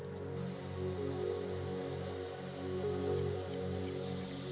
pemanggangan kopi kali ini